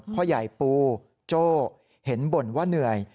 พ่อใหญ่ปูโจ้เห็นบ่นว่าเหนื่อย